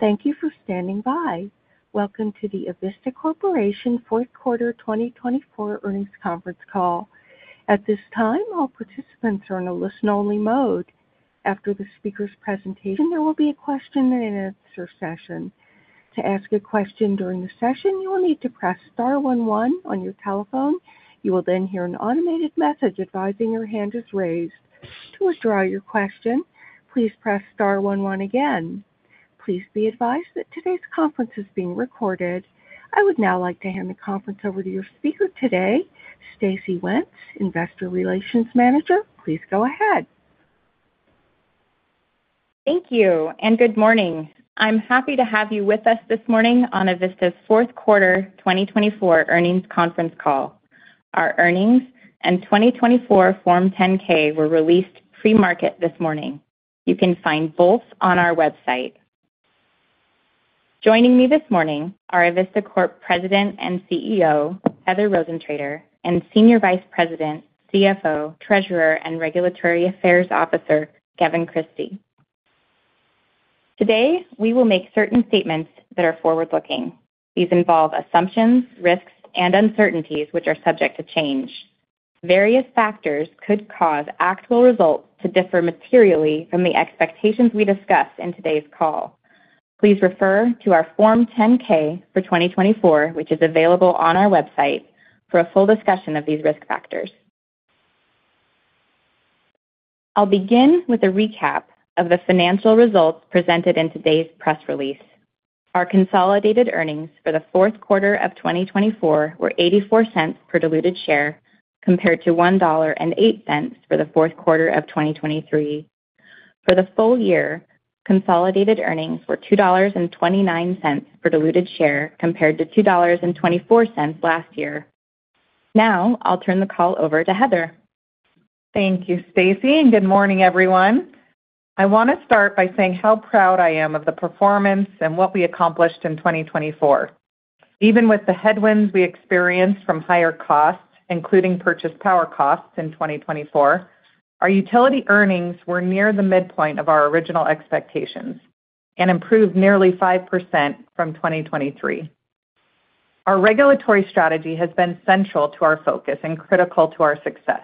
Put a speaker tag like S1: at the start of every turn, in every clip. S1: Thank you for standing by. Welcome to the Avista Corporation Fourth Quarter 2024 Earnings Conference Call. At this time, all participants are in a listen-only mode. After the speaker's presentation, there will be a question-and-answer session. To ask a question during the session, you will need to press star one one on your telephone. You will then hear an automated message advising your hand is raised. To withdraw your question, please press star one one again. Please be advised that today's conference is being recorded. I would now like to hand the conference over to your speaker today, Stacey Wenz, Investor Relations Manager. Please go ahead.
S2: Thank you, and good morning. I'm happy to have you with us this morning on Avista's Fourth Quarter 2024 Earnings Conference Call. Our earnings and 2024 Form 10-K were released pre-market this morning. You can find both on our website. Joining me this morning are Avista Corp President and CEO, Heather Rosentrater, and Senior Vice President, CFO, Treasurer, and Regulatory Affairs Officer, Kevin Christie. Today, we will make certain statements that are forward-looking. These involve assumptions, risks, and uncertainties which are subject to change. Various factors could cause actual results to differ materially from the expectations we discuss in today's call. Please refer to our Form 10-K for 2024, which is available on our website, for a full discussion of these risk factors. I'll begin with a recap of the financial results presented in today's press release. Our consolidated earnings for the fourth quarter of 2024 were $0.84 per diluted share compared to $1.08 for the fourth quarter of 2023. For the full-year, consolidated earnings were $2.29 per diluted share compared to $2.24 last year. Now, I'll turn the call over to Heather.
S3: Thank you, Stacey, and good morning, everyone. I want to start by saying how proud I am of the performance and what we accomplished in 2024. Even with the headwinds we experienced from higher costs, including purchased power costs in 2024, our utility earnings were near the midpoint of our original expectations and improved nearly 5% from 2023. Our regulatory strategy has been central to our focus and critical to our success.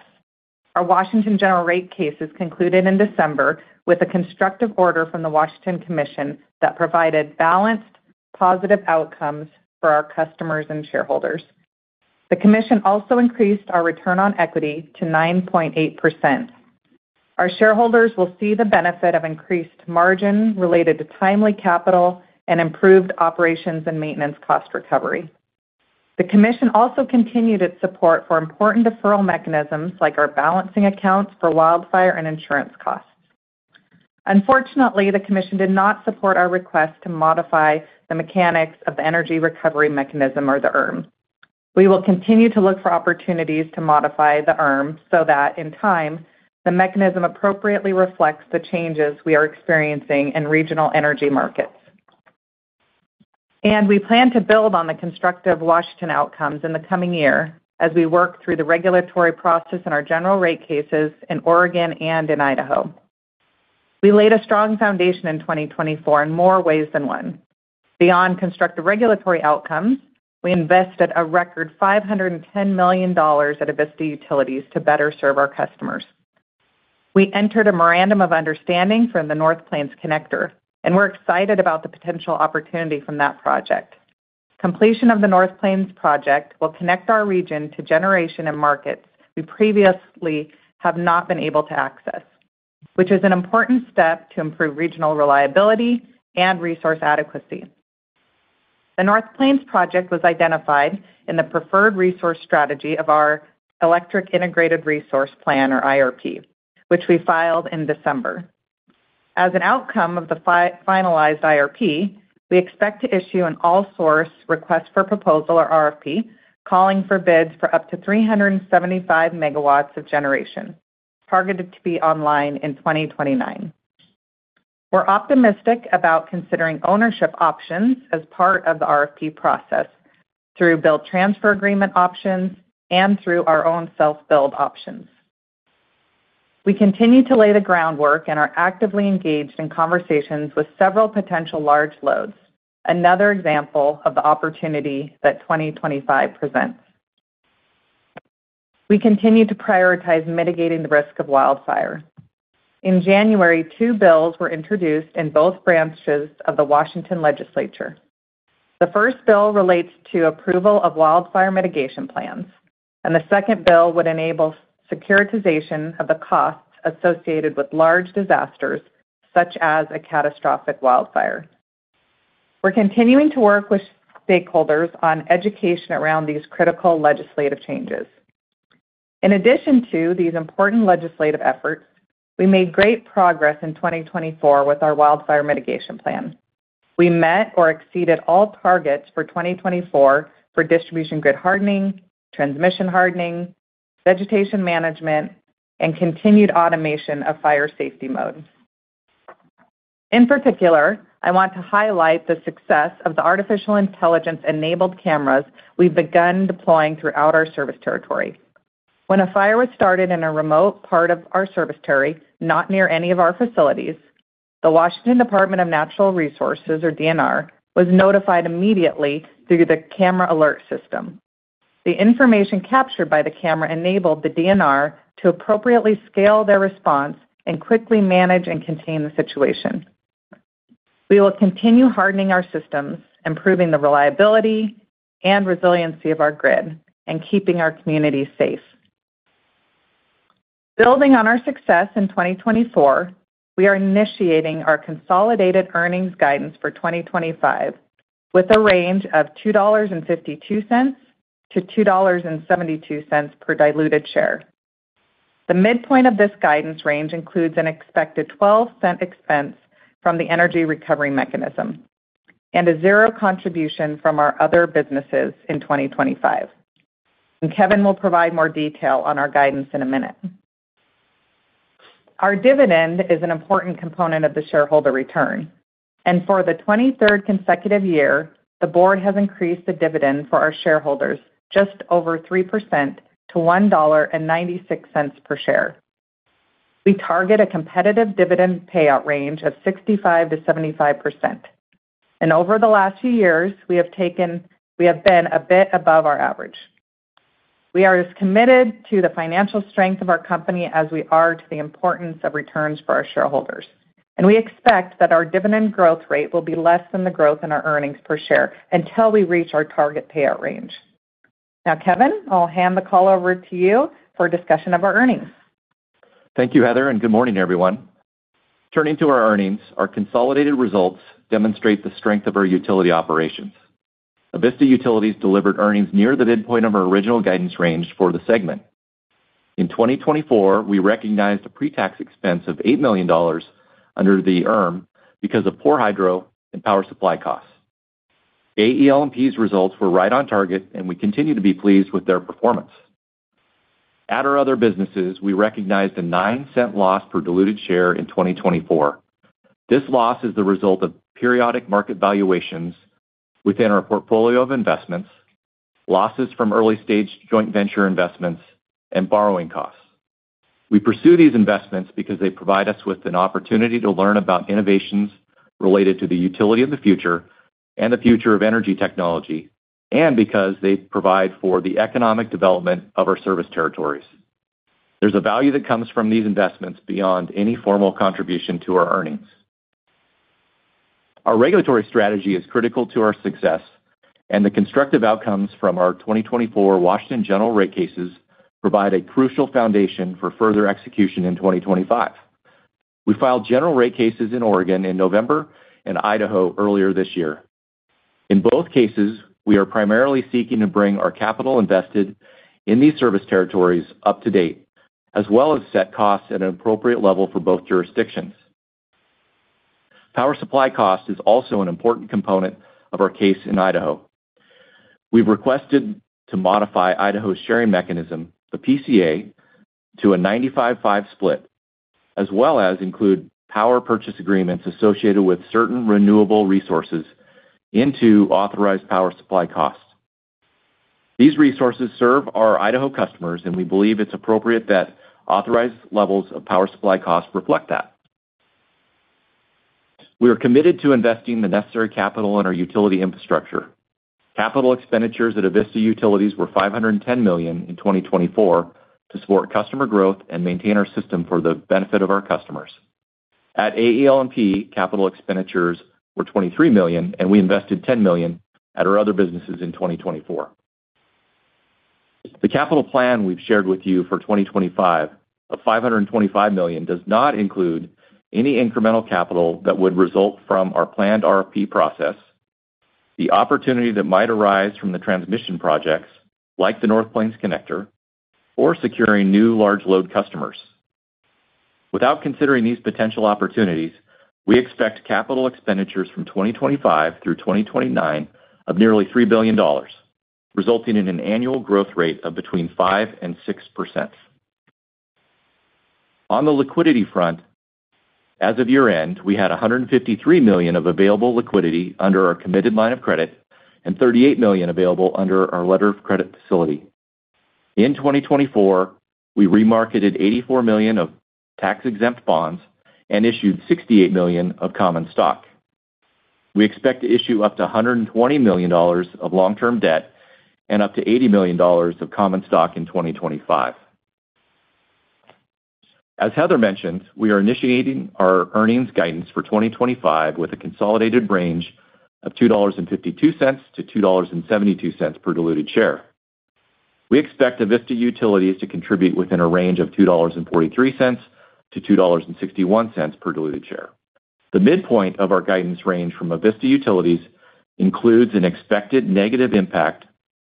S3: Our Washington general rate case has concluded in December with a constructive order from the Washington Commission that provided balanced, positive outcomes for our customers and shareholders. The Commission also increased our return on equity to 9.8%. Our shareholders will see the benefit of increased margin related to timely capital and improved operations and maintenance cost recovery. The Commission also continued its support for important deferral mechanisms like our balancing accounts for wildfire and insurance costs. Unfortunately, the Commission did not support our request to modify the mechanics of the Energy Recovery Mechanism or the ERM. We will continue to look for opportunities to modify the ERM so that, in time, the mechanism appropriately reflects the changes we are experiencing in regional energy markets, and we plan to build on the constructive Washington outcomes in the coming year as we work through the regulatory process in our general rate cases in Oregon and in Idaho. We laid a strong foundation in 2024 in more ways than one. Beyond constructive regulatory outcomes, we invested a record $510 million at Avista Utilities to better serve our customers. We entered a memorandum of understanding for the North Plains Connector, and we're excited about the potential opportunity of that project. Completion of the North Plains project will connect our region to generation and markets we previously have not been able to access, which is an important step to improve regional reliability and resource adequacy. The North Plains project was identified in the preferred resource strategy of our Electric Integrated Resource Plan, or IRP, which we filed in December. As an outcome of the finalized IRP, we expect to issue an all-source request for proposal, or RFP, calling for bids for up to 375 MW of generation targeted to be online in 2029. We're optimistic about considering ownership options as part of the RFP process through build transfer agreement options and through our own self-build options. We continue to lay the groundwork and are actively engaged in conversations with several potential large loads, another example of the opportunity that 2025 presents. We continue to prioritize mitigating the risk of wildfire. In January, two bills were introduced in both branches of the Washington Legislature. The first bill relates to approval of Wildfire Mitigation Plans, and the second bill would enable securitization of the costs associated with large disasters such as a catastrophic wildfire. We're continuing to work with stakeholders on education around these critical legislative changes. In addition to these important legislative efforts, we made great progress in 2024 with our Wildfire Mitigation Plan. We met or exceeded all targets for 2024 for distribution grid hardening, transmission hardening, vegetation management, and continued automation of fire safety modes. In particular, I want to highlight the success of the artificial intelligence-enabled cameras we've begun deploying throughout our service territory. When a fire was started in a remote part of our service territory, not near any of our facilities, the Washington Department of Natural Resources, or DNR, was notified immediately through the camera alert system. The information captured by the camera enabled the DNR to appropriately scale their response and quickly manage and contain the situation. We will continue hardening our systems, improving the reliability and resiliency of our grid, and keeping our communities safe. Building on our success in 2024, we are initiating our consolidated earnings guidance for 2025 with a range of $2.52 to $2.72 per diluted share. The midpoint of this guidance range includes an expected $0.12 expense from the Energy Recovery Mechanism and a zero contribution from our other businesses in 2025, and Kevin will provide more detail on our guidance in a minute. Our dividend is an important component of the shareholder return. For the 23rd consecutive year, the Board has increased the dividend for our shareholders just over 3% to $1.96 per share. We target a competitive dividend payout range of 65% to 75%. Over the last few years, we have been a bit above our average. We are as committed to the financial strength of our company as we are to the importance of returns for our shareholders. We expect that our dividend growth rate will be less than the growth in our earnings per share until we reach our target payout range. Now, Kevin, I'll hand the call over to you for a discussion of our earnings.
S4: Thank you, Heather, and good morning, everyone. Turning to our earnings, our consolidated results demonstrate the strength of our utility operations. Avista Utilities delivered earnings near the midpoint of our original guidance range for the segment. In 2024, we recognized a pre-tax expense of $8 million under the ERM because of poor hydro and power supply costs. AEL&P's results were right on target, and we continue to be pleased with their performance. At our other businesses, we recognized a $0.09 loss per diluted share in 2024. This loss is the result of periodic market valuations within our portfolio of investments, losses from early-stage joint venture investments, and borrowing costs. We pursue these investments because they provide us with an opportunity to learn about innovations related to the utility of the future and the future of energy technology, and because they provide for the economic development of our service territories. There's a value that comes from these investments beyond any formal contribution to our earnings. Our regulatory strategy is critical to our success, and the constructive outcomes from our 2024 Washington general rate cases provide a crucial foundation for further execution in 2025. We filed general rate cases in Oregon in November and Idaho earlier this year. In both cases, we are primarily seeking to bring our capital invested in these service territories up to date, as well as set costs at an appropriate level for both jurisdictions. Power supply cost is also an important component of our case in Idaho. We've requested to modify Idaho's sharing mechanism, the PCA, to a 95/5 split, as well as include power purchase agreements associated with certain renewable resources into authorized power supply costs. These resources serve our Idaho customers, and we believe it's appropriate that authorized levels of power supply costs reflect that. We are committed to investing the necessary capital in our utility infrastructure. Capital expenditures at Avista Utilities were $510 million in 2024 to support customer growth and maintain our system for the benefit of our customers. At AEL&P, capital expenditures were $23 million, and we invested $10 million at our other businesses in 2024. The capital plan we've shared with you for 2025 of $525 million does not include any incremental capital that would result from our planned RFP process, the opportunity that might arise from the transmission projects like the North Plains Connector, or securing new large load customers. Without considering these potential opportunities, we expect capital expenditures from 2025 through 2029 of nearly $3 billion, resulting in an annual growth rate of between 5% and 6%. On the liquidity front, as of year-end, we had $153 million of available liquidity under our committed line of credit and $38 million available under our letter of credit facility. In 2024, we remarketed $84 million of tax-exempt bonds and issued $68 million of common stock. We expect to issue up to $120 million of long-term debt and up to $80 million of common stock in 2025. As Heather mentioned, we are initiating our earnings guidance for 2025 with a consolidated range of $2.52-$2.72 per diluted share. We expect Avista Utilities to contribute within a range of $2.43 to $2.61 per diluted share. The midpoint of our guidance range from Avista Utilities includes an expected negative impact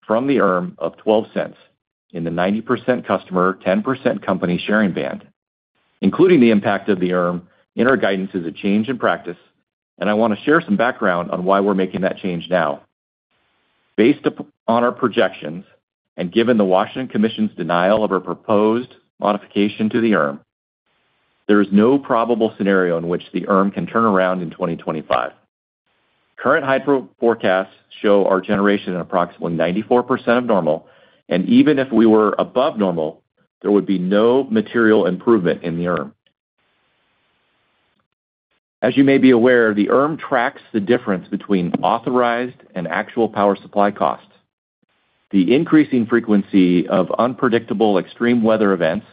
S4: from the ERM of $0.12 in the 90% customer, 10% company sharing band. Including the impact of the ERM in our guidance is a change in practice, and I want to share some background on why we're making that change now. Based upon our projections and given the Washington Commission's denial of our proposed modification to the ERM, there is no probable scenario in which the ERM can turn around in 2025. Current hydro forecasts show our generation at approximately 94% of normal, and even if we were above normal, there would be no material improvement in the ERM. As you may be aware, the ERM tracks the difference between authorized and actual power supply costs. The increasing frequency of unpredictable extreme weather events,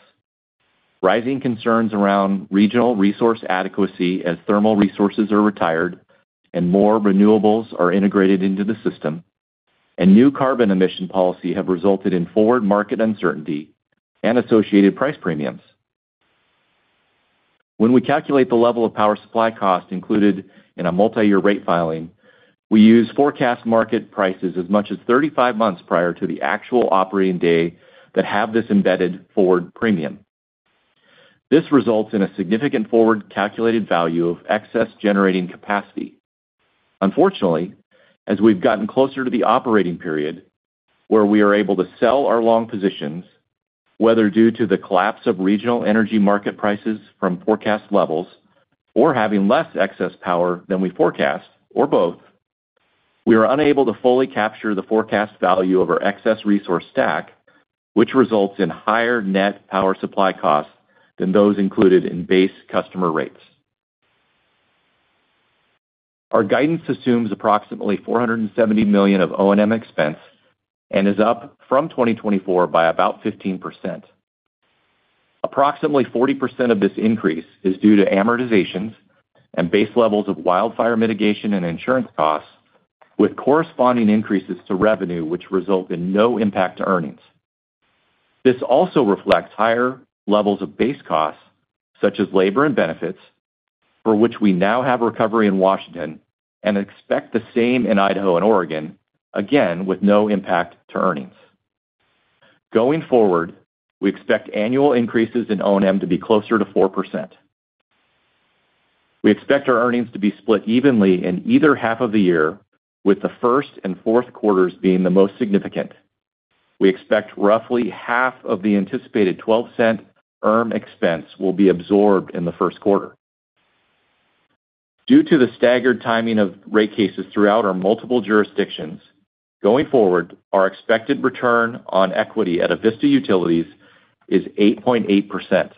S4: rising concerns around regional resource adequacy as thermal resources are retired and more renewables are integrated into the system, and new carbon emission policy have resulted in forward market uncertainty and associated price premiums. When we calculate the level of power supply cost included in a multi-year rate filing, we use forecast market prices as much as 35 months prior to the actual operating day that have this embedded forward premium. This results in a significant forward calculated value of excess generating capacity. Unfortunately, as we've gotten closer to the operating period where we are able to sell our long positions, whether due to the collapse of regional energy market prices from forecast levels or having less excess power than we forecast, or both, we are unable to fully capture the forecast value of our excess resource stack, which results in higher net power supply costs than those included in base customer rates. Our guidance assumes approximately $470 million of O&M expense and is up from 2024 by about 15%. Approximately 40% of this increase is due to amortizations and base levels of wildfire mitigation and insurance costs, with corresponding increases to revenue, which result in no impact to earnings. This also reflects higher levels of base costs, such as labor and benefits, for which we now have recovery in Washington and expect the same in Idaho and Oregon, again with no impact to earnings. Going forward, we expect annual increases in O&M to be closer to 4%. We expect our earnings to be split evenly in either half of the year, with the first and fourth quarters being the most significant. We expect roughly half of the anticipated $0.12 expense will be absorbed in the first quarter. Due to the staggered timing of rate cases throughout our multiple jurisdictions, going forward, our expected return on equity at Avista Utilities is 8.8%.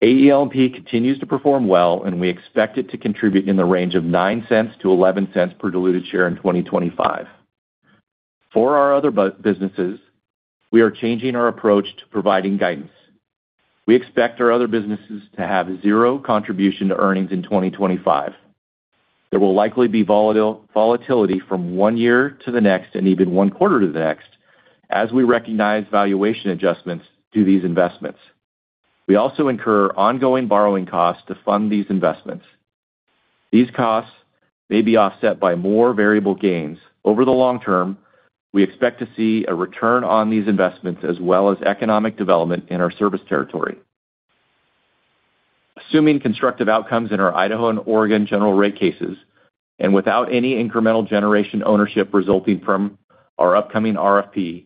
S4: AEL&P continues to perform well, and we expect it to contribute in the range of $0.09 to $0.11 per diluted share in 2025. For our other businesses, we are changing our approach to providing guidance. We expect our other businesses to have zero contribution to earnings in 2025. There will likely be volatility from one year to the next and even one quarter to the next as we recognize valuation adjustments to these investments. We also incur ongoing borrowing costs to fund these investments. These costs may be offset by more variable gains. Over the long term, we expect to see a return on these investments as well as economic development in our service territory. Assuming constructive outcomes in our Idaho and Oregon general rate cases and without any incremental generation ownership resulting from our upcoming RFP,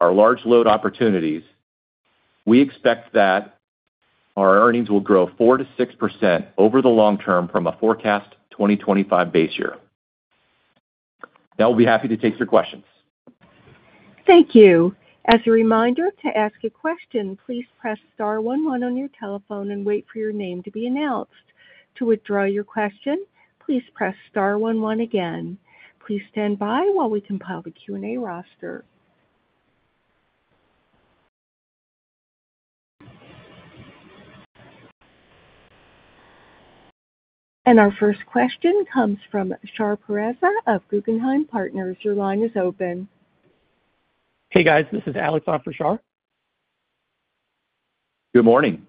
S4: our large load opportunities, we expect that our earnings will grow 4% to 6% over the long term from a forecast 2025 base year. Now, we'll be happy to take your questions.
S1: Thank you. As a reminder, to ask a question, please press star one one on your telephone and wait for your name to be announced. To withdraw your question, please press star one one again. Please stand by while we compile the Q&A roster. And our first question comes from Shar Pourreza of Guggenheim Partners. Your line is open.
S5: Hey, guys. This is Alex on for Shar.
S4: Good morning.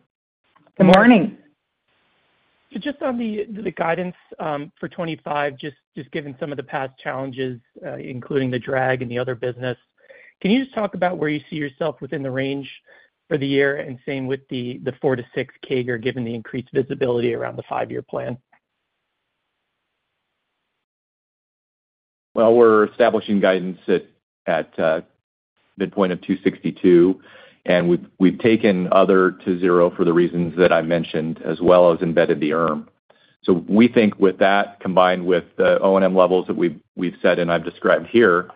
S3: Good morning.
S5: Just on the guidance for 2025, just given some of the past challenges, including the drag and the other business, can you just talk about where you see yourself within the range for the year and same with the 4% to 6% CAGR given the increased visibility around the five-year plan?
S4: We're establishing guidance at midpoint of $2.62, and we've taken other to zero for the reasons that I mentioned, as well as embedded. So we think with that combined with the O&M levels that we've set and I've described here,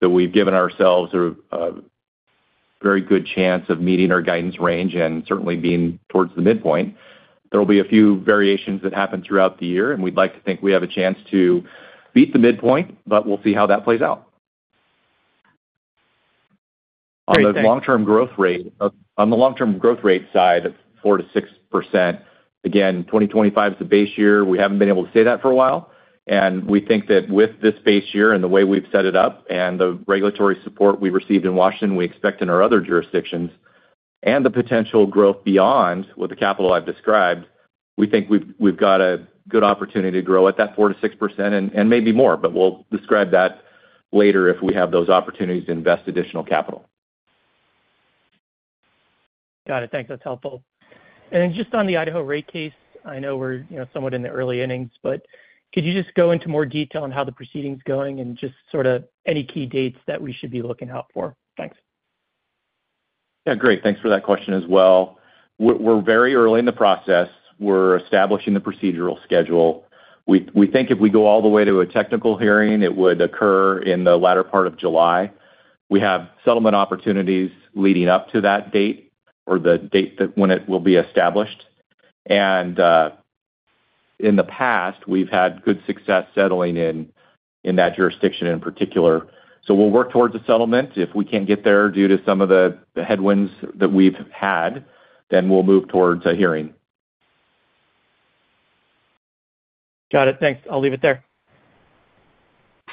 S4: that we've given ourselves a very good chance of meeting our guidance range and certainly being towards the midpoint. There will be a few variations that happen throughout the year, and we'd like to think we have a chance to beat the midpoint, but we'll see how that plays out. On the long-term growth rate, on the long-term growth rate side of 4% to 6%, again, 2025 is the base year. We haven't been able to say that for a while. And we think that with this base year and the way we've set it up and the regulatory support we've received in Washington, we expect in our other jurisdictions and the potential growth beyond with the capital I've described, we think we've got a good opportunity to grow at that 4% to 6% and maybe more, but we'll describe that later if we have those opportunities to invest additional capital.
S5: Got it. Thanks. That's helpful. And then just on the Idaho rate case, I know we're somewhat in the early innings, but could you just go into more detail on how the proceeding's going and just sort of any key dates that we should be looking out for? Thanks.
S4: Yeah, great. Thanks for that question as well. We're very early in the process. We're establishing the procedural schedule. We think if we go all the way to a technical hearing, it would occur in the latter part of July. We have settlement opportunities leading up to that date or the date when it will be established, and in the past, we've had good success settling in that jurisdiction in particular, so we'll work towards a settlement. If we can't get there due to some of the headwinds that we've had, then we'll move forward to a hearing.
S5: Got it. Thanks. I'll leave it there.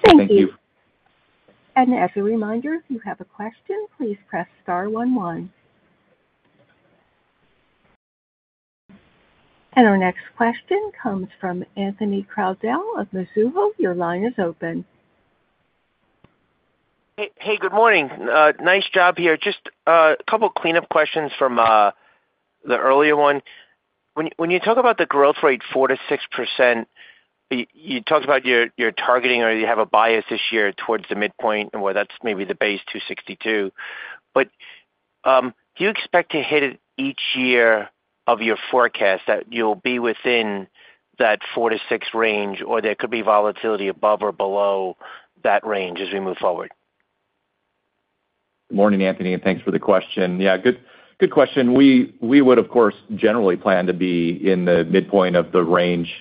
S1: Thank you.
S4: Thank you.
S1: As a reminder, if you have a question, please press star one one. Our next question comes from Anthony Crowdell of Mizuho. Your line is open.
S6: Hey, good morning. Nice job here. Just a couple of cleanup questions from the earlier one. When you talk about the growth rate 4% to 6%, you talked about your targeting or you have a bias this year towards the midpoint and where that's maybe the base $2.62. But do you expect to hit it each year of your forecast that you'll be within that 4% to 6% range, or there could be volatility above or below that range as we move forward?
S4: Good morning, Anthony, and thanks for the question. Yeah, good question. We would, of course, generally plan to be in the midpoint of the range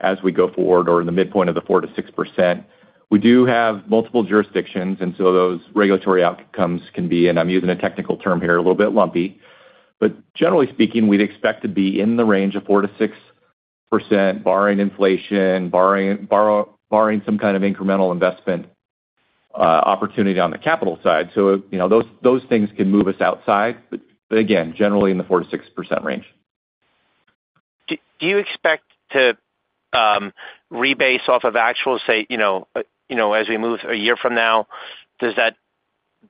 S4: as we go forward or in the midpoint of the 4% to 6%. We do have multiple jurisdictions, and so those regulatory outcomes can be, and I'm using a technical term here, a little bit lumpy. But generally speaking, we'd expect to be in the range of 4% to 6%, barring inflation, barring some kind of incremental investment opportunity on the capital side. So those things can move us outside, but again, generally in the 4% to 6% range.
S6: Do you expect to rebase off of actual, say, as we move a year from now, does that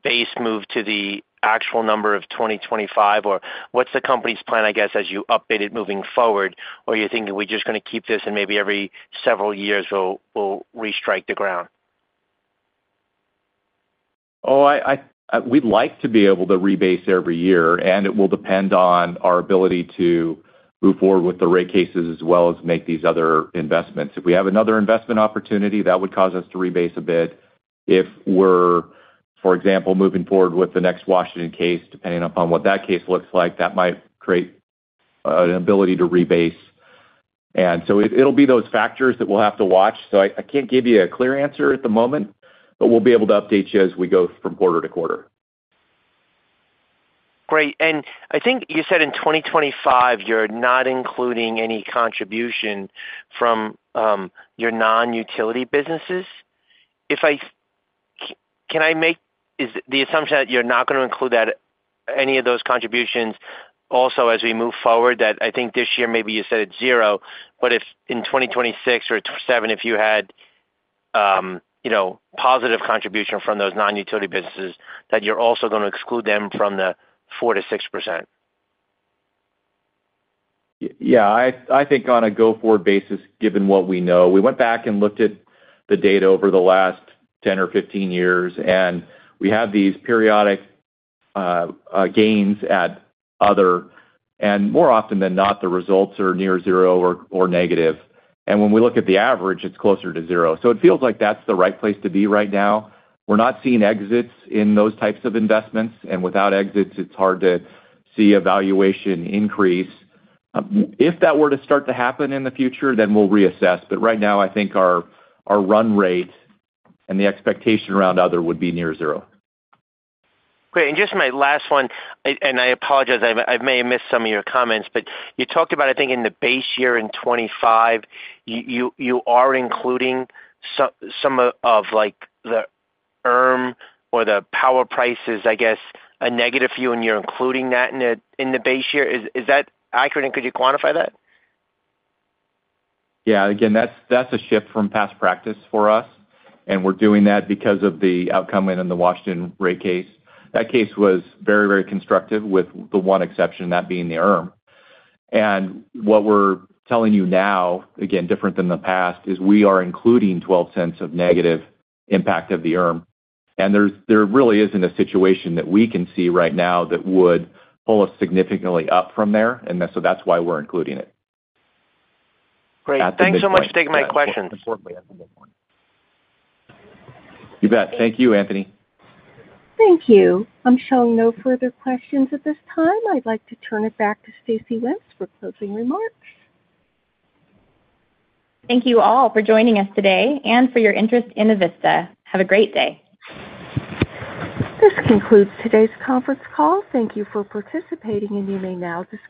S6: base move to the actual number of 2025, or what's the company's plan as you update it moving forward, or are you thinking we're just going to keep this and maybe every several years we'll restrike the ground?
S4: Oh, we'd like to be able to rebase every year, and it will depend on our ability to move forward with the rate cases as well as make these other investments. If we have another investment opportunity, that would cause us to rebase a bit. If we're, for example, moving forward with the next Washington case, depending upon what that case looks like, that might create an ability to rebase, and so it'll be those factors that we'll have to watch, so I can't give you a clear answer at the moment, but we'll be able to update you as we go from quarter-to-quarter.
S6: Great. And I think you said in 2025, you're not including any contribution from your non-utility businesses. Can I make the assumption that you're not going to include any of those contributions also as we move forward, that I think this year maybe you set at zero, but if in 2026 or 2027, if you had positive contribution from those non-utility businesses, that you're also going to exclude them from the 4% to 6%?
S4: Yeah. I think on a go-forward basis, given what we know, we went back and looked at the data over the last 10 or 15 years, and we have these periodic gains at other, and more often than not, the results are near zero or negative, and when we look at the average, it's closer to zero, so it feels like that's the right place to be right now. We're not seeing exits in those types of investments, and without exits, it's hard to see a valuation increase. If that were to start to happen in the future, then we'll reassess. But right now, I think our run rate and the expectation around other would be near zero.
S6: Great. And just my last one, and I apologize, I may have missed some of your comments, but you talked about, I think, in the base year in 2025, you are including some of the power prices, a negative view, and you're including that in the base year. Is that accurate, and could you quantify that?
S4: Yeah. Again, that's a shift from past practice for us, and we're doing that because of the outcome in the Washington rate case. That case was very, very constructive with the one exception, that being the ERM, and what we're telling you now, again, different than the past, is we are including $0.12 of negative impact of the ERM, and there really isn't a situation that we can see right now that would pull us significantly up from there, and so that's why we're including it.
S6: Great. Thanks so much for taking my questions.
S4: You bet. Thank you, Anthony.
S1: Thank you. I'm showing no further questions at this time. I'd like to turn it back to Stacey Wenz for closing remarks.
S2: Thank you all for joining us today and for your interest in Avista. Have a great day.
S1: This concludes today's conference call. Thank you for participating, and you may now.